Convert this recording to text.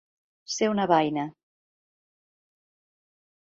Ser una baina.